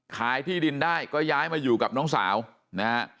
ที่ดินได้ก็ย้ายมาอยู่กับน้องสาวนะฮะ